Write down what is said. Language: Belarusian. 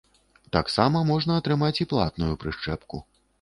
Таксама можна атрымаць і платную прышчэпку.